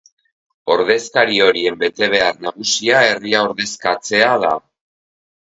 Ordezkari horien betebehar nagusia herria ordezkatzea da.